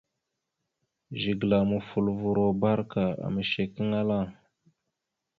Zigəla mofoləvoro barəka ameshekeŋala.